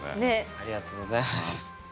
ありがとうございます。